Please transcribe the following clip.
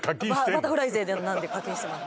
バタフライ勢なんで課金してます